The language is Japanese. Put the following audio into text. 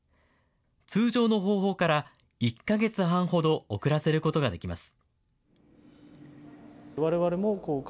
通常の方法から１か月半ほど遅らせることができます。